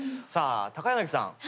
さあ高柳さん。